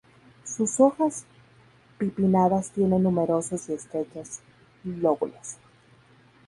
Sus hojas bipinnadas tienen numerosos y estrechos lóbulos.